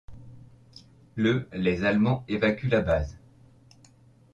Le les Allemands évacuent la base.